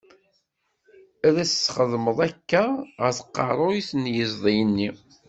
Ad as-txeddmeḍ akka, ɣer tqerruyt n yiẓdi-nni.